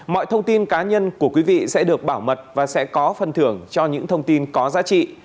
mọi thông tin cá nhân của quý vị sẽ được bảo mật và sẽ có phần thưởng cho những thông tin có giá trị